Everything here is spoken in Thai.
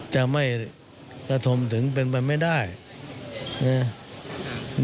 จะไม่รัฐมถึงเป็นไปไม่ได้เนี่ย